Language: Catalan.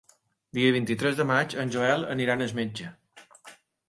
El vint-i-tres de maig en Joel anirà al metge.